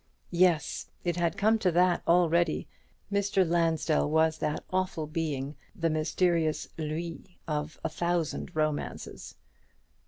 Yes, it had come to that already. Mr. Lansdell was that awful being, the mysterious "Lui" of a thousand romances.